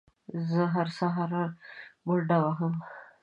زه هره سهار منډه وهم